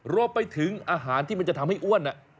รวมไปถึงอาหารที่มันจะทำให้อ้วน